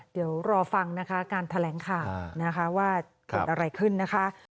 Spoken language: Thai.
เดี๋ยวรอฟังนะคะการแถลงข่าวนะคะว่าเกิดอะไรขึ้นนะคะ